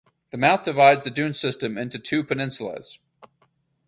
The mouth divides the dune system into two peninsulas.